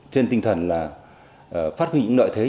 trên tinh thần là phát huy những nợi thế